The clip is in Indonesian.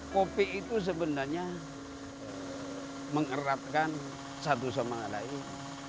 kopi itu sebenarnya mengeratkan satu sama lain